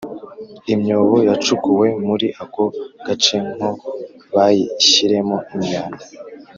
imyobo yacukuwe muri ako gace nko bayishyiremo imyanda